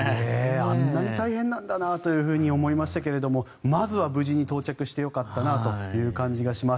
あんなに大変なんだなと思いましたけどまずは無事に到着してよかったなと思います。